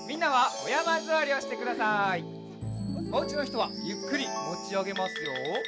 おうちのひとはゆっくりもちあげますよ。